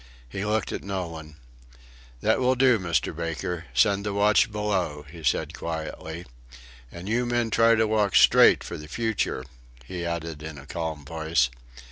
He looked at no one. "That will do, Mr. Baker. Send the watch below," he said, quietly. "And you men try to walk straight for the future," he added in a calm voice.